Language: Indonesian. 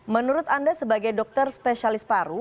menurut anda sebagai dokter spesialis paru